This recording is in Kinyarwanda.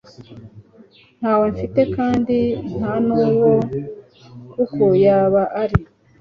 ntawe mfite kandi ntanuwo kuko yaba ari